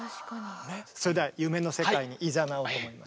それでは夢の世界にいざなおうと思います。